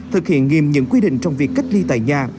thực hiện nghiêm những quy định trong việc cách ly tại nhà